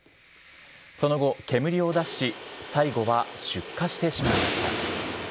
その後、煙を出し、最後は出火してしまいました。